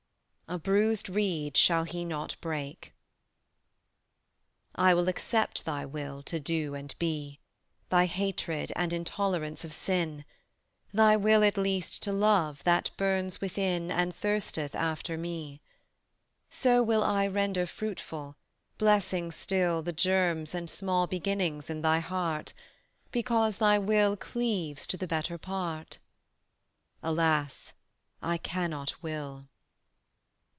"A BRUISED REED SHALL HE NOT BREAK." I will accept thy will to do and be, Thy hatred and intolerance of sin, Thy will at least to love, that burns within And thirsteth after Me: So will I render fruitful, blessing still The germs and small beginnings in thy heart, Because thy will cleaves to the better part. Alas, I cannot will.